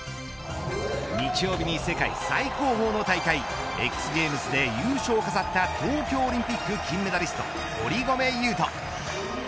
日曜日に世界最高峰の大会ＸＧａｍｅｓで優勝を飾った東京オリンピック金メダリスト堀米雄斗。